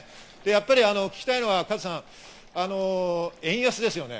やっぱり聞きたいのは加藤さん、円安ですよね。